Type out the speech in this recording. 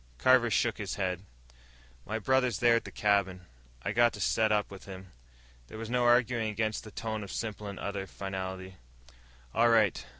Carver shook his head. "My brother's there at the cabin. I got to set up with him." There was no arguing against that tone of simple and utter finality. "All right.